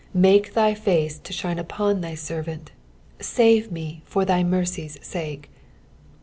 16 Make thy face to shine upon thy servant : save me for thy mercies' sake.